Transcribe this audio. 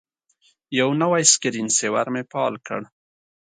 یو نوی سکرین سیور مې فعال کړ.